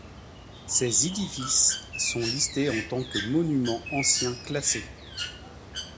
Ces édifices sont listés en tant que monuments anciens classés.